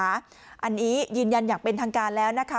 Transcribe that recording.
อันนี้ยืนยันอย่างเป็นทางการแล้วนะคะ